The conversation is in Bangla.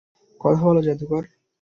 কথা বল, জাদুকর।